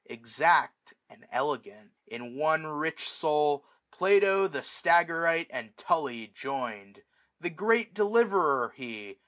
Exact, and elegant ; in one rich soul, 1540 Plato, the Stagyrite, and Tully join'd. The great deliverer he